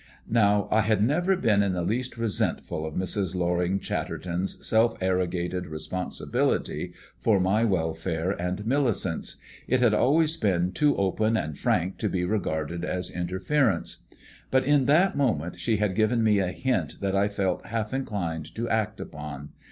Now, I had never been in the least resentful of Mrs. Loring Chatterton's self arrogated responsibility for my welfare and Millicent's it had always been too open and frank to be regarded as interference. But in that moment she had given me a hint that I felt half inclined to act upon.